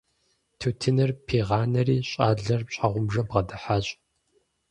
Тутыныр пигъанэри, щIалэр щхьэгъубжэм бгъэдыхьащ.